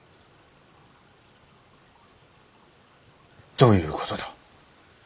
どういうことだ？